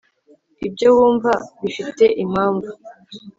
ibyo Wumva bifite impamvu